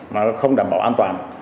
mà không đảm bảo an toàn